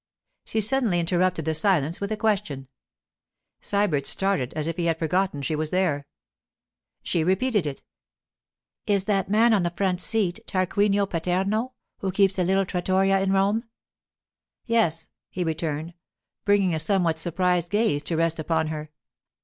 She suddenly interrupted the silence with a question. Sybert started at if he had forgotten she were there. She repeated it: 'Is that man on the front seat Tarquinio Paterno who keeps a little trattoria in Rome?' 'Yes,' he returned, bringing a somewhat surprised gaze to rest upon her.